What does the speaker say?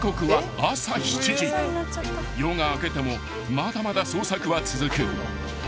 ［夜が明けてもまだまだ捜索は続く］